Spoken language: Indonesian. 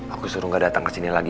aku disuruh gak datang kesini lagi